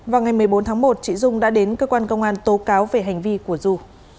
vào ngày một mươi bốn tháng một chị dung đã đến cơ quan công an tố cáo về hành vi của du